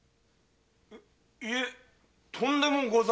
いえとんでもございませぬ。